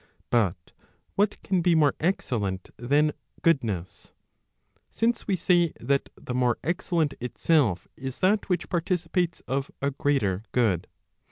* But what can be more excellent than goodness ? Since we say that the more ex¬ cellent itself is that which participates of a greater good.